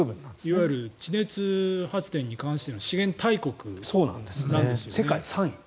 いわゆる地熱発電に関しての資源大国なんですね。